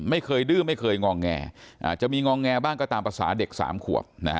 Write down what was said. ไม่เคยดื้มไม่เคยงองแงอ่าจะมีงองแงบ้างก็ตามภาษาเด็กสามขวบนะฮะ